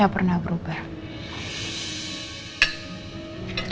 gak pernah berubah